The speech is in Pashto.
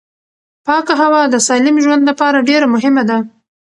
پاکه هوا د سالم ژوند لپاره ډېره مهمه ده